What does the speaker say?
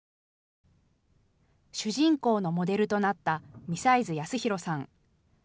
主人公のモデルとなった美齊津康弘さん。